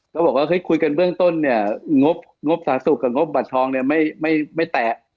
ก็บอกว่าเฮ้ยคุยกันเบื้องต้นเนี่ยงบสาธารณสุขกับงบบัตรทองเนี่ยไม่แตะ